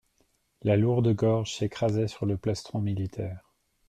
La lourde gorge s'écrasait sur le plastron militaire.